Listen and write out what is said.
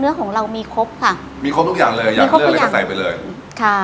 เนื้อของเรามีครบค่ะมีครบทุกอย่างเลยมีครบทุกอย่างอย่างเนื้อเราก็ใส่ไปเลยค่ะ